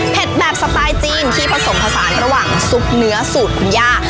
แบบสไตล์จีนที่ผสมผสานระหว่างซุปเนื้อสูตรคุณย่า